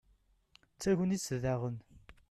d tagnit daɣen